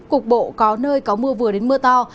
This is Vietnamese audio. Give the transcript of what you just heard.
cục bộ có nơi có mưa vừa đến mưa to